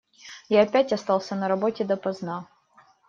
Я опять остался на работе допоздна.